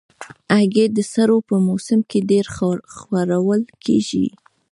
هګۍ د سړو په موسم کې ډېر خوړل کېږي.